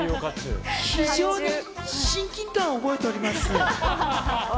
非常に親近感を覚えております。